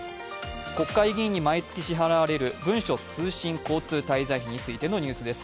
国会議員に毎月支払われる文書通信交通滞在費についてのニュースです。